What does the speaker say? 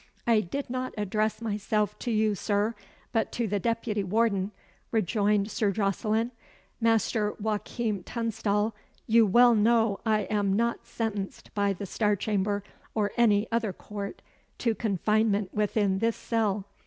"I did not address myself to you, Sir, but to the deputy warden," rejoined Sir Jocelyn. "Master Joachim Tunstall, you well know I am not sentenced by the Star Chamber, or any other court, to confinement within this cell.